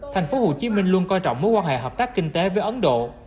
tp hcm luôn coi trọng mối quan hệ hợp tác kinh tế với ấn độ